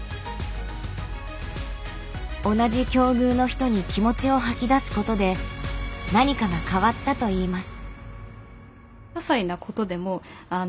同じ境遇の人に気持ちを吐き出すことで何かが変わったといいます。